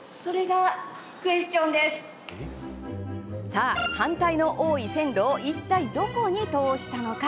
さあ、反対の多い線路をいったいどこに通したのか。